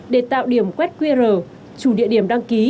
để tạo điểm quét qr chủ địa điểm đăng ký